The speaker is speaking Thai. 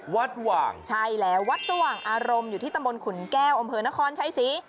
หว่างใช่แล้ววัดสว่างอารมณ์อยู่ที่ตำบลขุนแก้วอำเภอนครชัยศรี